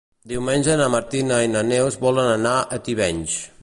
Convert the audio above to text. Diumenge na Martina i na Neus volen anar a Tivenys.